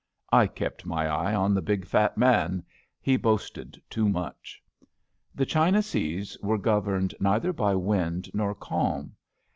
I kept my eye on the big fat man. He boasted too much. The China seas are governed neither by wind nor calm.